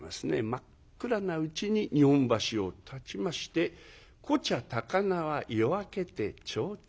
真っ暗なうちに日本橋をたちまして「コチャ高輪夜明けて提灯消す」。